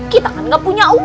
kita kan gak punya uang